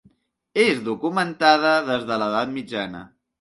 És documentada des de l’edat mitjana.